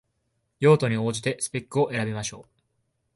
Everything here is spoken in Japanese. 用途に応じてスペックを選びましょう